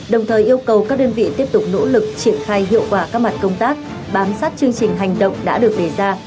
đồng thời yêu cầu các đơn vị tiếp tục nỗ lực triển khai hiệu quả các mặt công tác bám sát chương trình hành động đã được đề ra